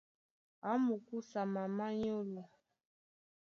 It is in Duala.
A mukúsa mamá nyólo.